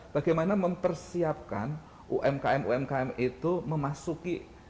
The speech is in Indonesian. bagaimana mempersiapkan umkm umkm itu memasuki